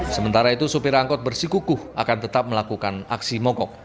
sementara itu sopir angkot bersikukuh akan tetap melakukan aksi mogok